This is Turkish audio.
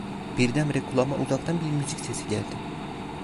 Birdenbire kulağıma uzaktan bir müzik sesi geldi.